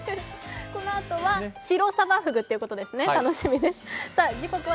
このあとはシロサバフグということですね、楽しみです。